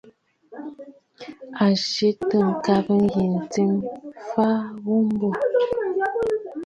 A kɔɔntə ŋgabə yǐ ntsɨ̀m m̀fa ghu mbô.